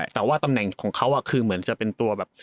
แต่ว่าตำแหน่งของเขาคือเหมือนจะเป็นตัวแบบ